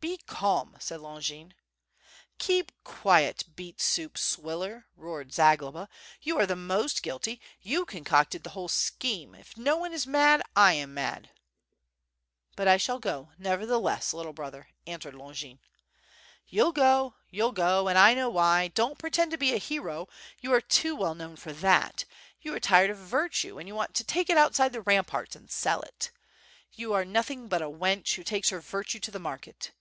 "Be calm!" said Longin. "Keep qiet, beet soup swiller!" roared Zagloba, "you are the most guilty, you concocted the whole scheme, if no one is mad, I am mad." "But I shall go neveri; heles8, little brother," answered Longin. "You'll go, you'll go, and I know why, don't pretend to be a hero, you are too well known for that; you are tired of viriiue, and you want to take it outside the ramparts and sell it. You are nothing but a wench who takes her viri; ue to the market.